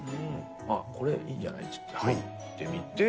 あっ、これ、いいんじゃないって入ってみて。